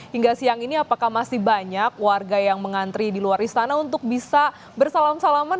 hingga siang ini apakah masih banyak warga yang mengantri di luar istana untuk bisa bersalam salaman